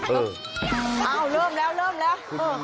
อ้าวเริ่มแล้วเริ่มแล้ว